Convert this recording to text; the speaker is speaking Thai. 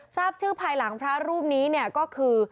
ทราบชื่อภายหลังพระรูปนี้เนี่ยก็คือ